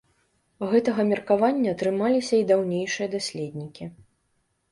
Гэтага меркавання трымаліся і даўнейшыя даследнікі.